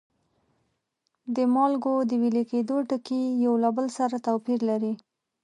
د مالګو د ویلي کیدو ټکي یو له بل سره توپیر لري.